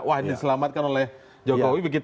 wah diselamatkan oleh jokowi